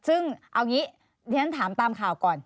เอาอย่างงี้ทีนั้นถามตามข่าวก่อน